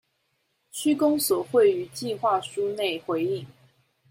區公所會於計畫書內回應